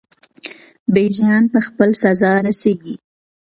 بیژن په خپله سزا رسیږي.